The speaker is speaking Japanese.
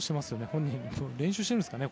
本人も練習してるんですかね。